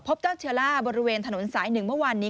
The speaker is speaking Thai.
เจ้าเชื้อล่าบริเวณถนนสาย๑เมื่อวานนี้